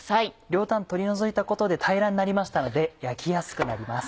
両端取り除いたことで平らになりましたので焼きやすくなります。